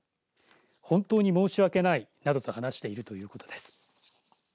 本当に申し訳ないなどと話しているということです。